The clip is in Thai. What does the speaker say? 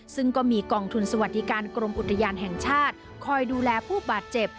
ซึ่งก็มีกองทุนสวัสดิการกรมอุทยานแห่งชาติคอยดูแลผู้บาดเจ็บ